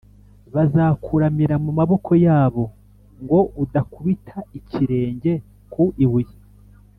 bazakuramira mu maboko yabo, ngo udakubita ikirenge ku ibuye.